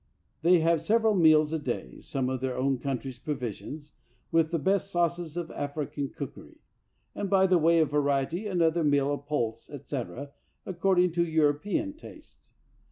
They have several meals a day — some of their own country' provis ions, with the best sauces of African cookery; and by the way of variety, another meal of pulse, etc, according to European taste.